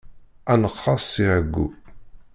Ad neqqerṣ si ɛeggu.